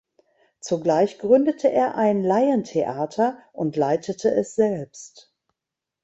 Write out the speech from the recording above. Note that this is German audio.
Zugleich gründete er ein Laientheater und leitete es selbst.